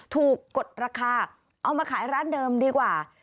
กดราคาเอามาขายร้านเดิมดีกว่า